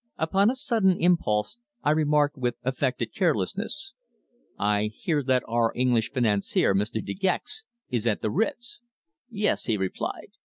Upon a sudden impulse I remarked with affected carelessness: "I hear that our English financier, Mr. De Gex, is at the Ritz." "Yes," he replied.